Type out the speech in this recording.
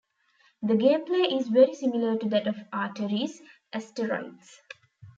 The gameplay is very similar to that of Atari's "Asteroids".